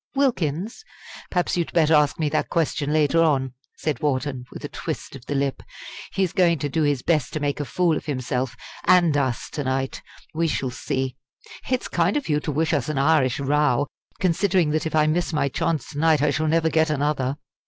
Wilkins? Perhaps you'd better ask me that question later on!" said Wharton, with a twist of the lip; "he's going to do his best to make a fool of himself and us to night we shall see! It's kind of you to wish us an Irish row! considering that if I miss my chance to night I shall never get another!"